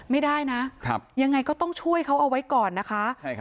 ไม่ได้นะยังไงก็ต้องช่วยเขาเอาไว้ก่อนนะคะ